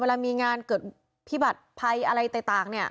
เวลามีงานเกิดพิบัติภัยอะไรต่างเนี่ย